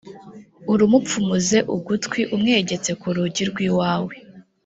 urumupfumuze ugutwi umwegetse ku rugi rw’iwawe,